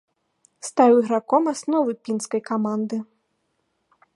Стаў іграком асновы пінскай каманды.